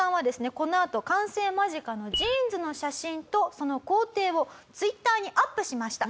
このあと完成間近のジーンズの写真とその工程をＴｗｉｔｔｅｒにアップしました。